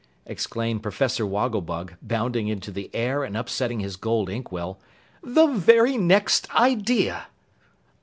exclaimed Professor Wogglebug, bounding into the air and upsetting his gold inkwell. "The very next idea!"